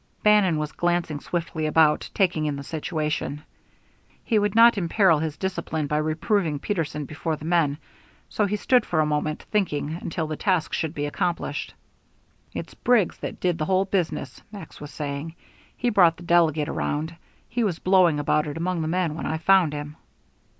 Bannon was glancing swiftly about, taking in the situation. He would not imperil his discipline by reproving Peterson before the men, so he stood for a moment, thinking, until the task should be accomplished. "It's Briggs that did the whole business," Max was saying. "He brought the delegate around he was blowing about it among the men when I found him."